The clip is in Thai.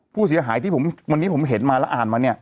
ผู้เสียหายที่วันนี้ผมเห็นมาแล้วอ่านมาเนี่ย